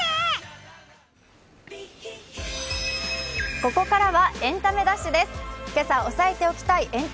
ここからは「エンタメダッシュ」です。